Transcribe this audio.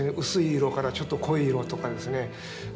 薄い色からちょっと濃い色とかですね。